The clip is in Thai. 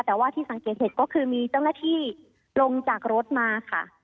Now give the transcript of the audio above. แต่ว่าที่สังเกตเห็นก็คือมีเจ้าหน้าที่ลงจากรถมาค่ะ